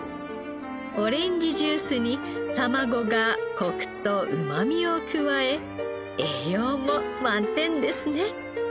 オレンジジュースにたまごがコクとうまみを加え栄養も満点ですね。